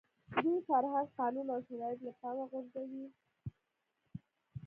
دوی فرهنګ، قانون او شرایط له پامه غورځوي.